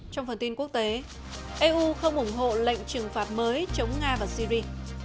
trong phần tin quốc tế eu không ủng hộ lệnh trừng phạt mới chống nga và syri